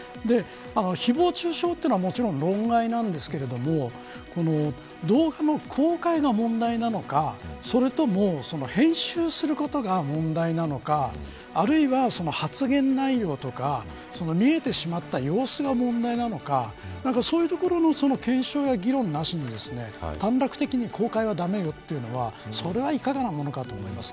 ひぼう中傷というのはもちろん論外なんですけれども動画の公開が問題なのかそれとも編集することが問題なのかあるいは発言内容とか見えてしまった様子が問題なのかそういうところの検証や議論なしに短絡的に公開は駄目だというのはいかがなものかと思います。